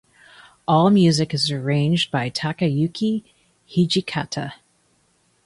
All music is arranged by Takayuki Hijikata.